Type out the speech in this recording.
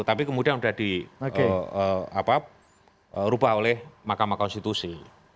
tapi kemudian sudah dirubah oleh makam makam konstitusi